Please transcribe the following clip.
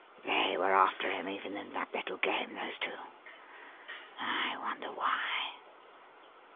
They were after him even in that little game, those two. I wonder why?